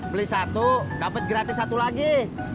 beli satu dapat gratis satu lagi